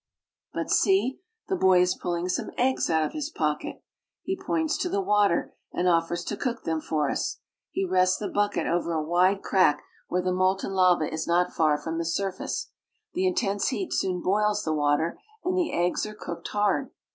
But see, the boy is pulling some eggs out of his pocket ! He points to the water, and offers to cook them for us. He rests the bucket over a wide crack where the molten lava is not far from the surface. The intense heat soon boils the water, and the eggs are cooked hard.